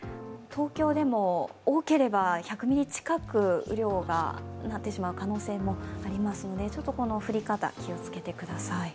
東京でも多ければ１００ミリ近く雨量がなってしまう可能性もありますので降り方に気をつけてください。